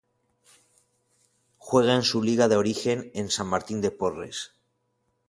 Juega en su liga de origen en San Martín de Porres.